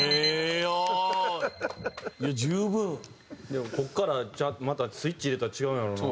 でもここからまたスイッチ入れたら違うんやろうな。